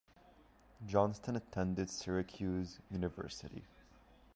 Johnston attended Syracuse University.